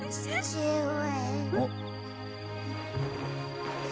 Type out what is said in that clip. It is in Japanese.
父上。